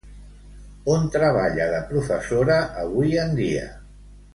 On treballa de professora avui en dia?